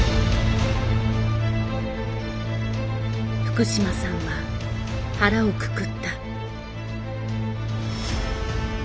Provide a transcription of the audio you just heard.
福島さんは腹をくくった。